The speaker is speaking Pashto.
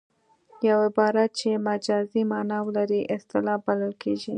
یو عبارت چې مجازي مانا ولري اصطلاح بلل کیږي